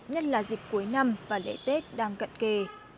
nhất là dịp cuối năm và lễ tết đang cận kề